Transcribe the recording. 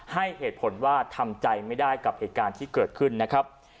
ให้เหตุผลว่าทำใจไม่ได้กับเหตุการณ์ที่เกิดขึ้นนะครับ